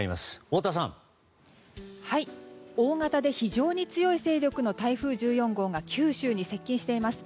大型で非常に強い勢力の台風が九州に接近しています。